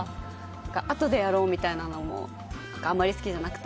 あとでやろうみたいなことがあまり好きじゃなくて。